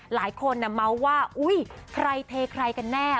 หลายคนเมาส์ว่าอุ๊ยใครเทใครกันแน่